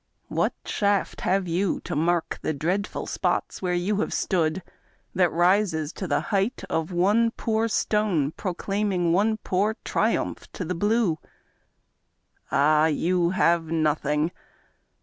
What shaft have you, To mark the dreadful spots where you have stood, That rises to the height of one poor stone Proclaiming one poor triumph to the blue ? Ah, you have nothing!